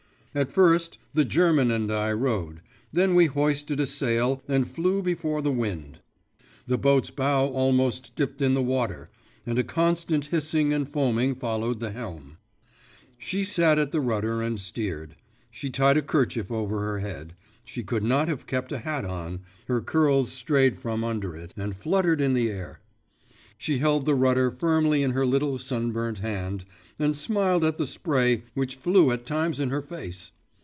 At first the German and I rowed; then we hoisted a sail and flew before the wind. The boat's bow almost dipped in the water, and a constant hissing and foaming followed the helm. She sat at the rudder and steered; she tied a kerchief over her head; she could not have kept a hat on; her curls strayed from under it and fluttered in the air. She held the rudder firmly in her little sunburnt hand, and smiled at the spray which flew at times in her face.